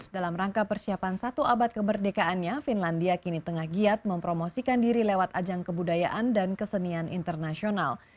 dalam rangka persiapan satu abad kemerdekaannya finlandia kini tengah giat mempromosikan diri lewat ajang kebudayaan dan kesenian internasional